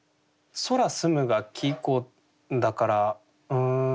「空澄む」が季語だからうん。